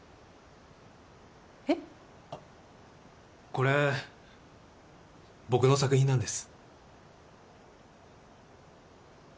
これ僕の作品なんです